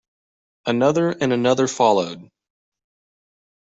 Another and another followed.